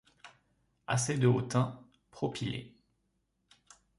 Assez de hautains. Propylées